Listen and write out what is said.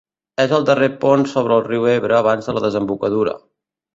És el darrer pont sobre el riu Ebre abans de la desembocadura.